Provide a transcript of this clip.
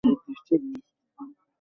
Major Childs, এখন আপনি যেতে পারেন।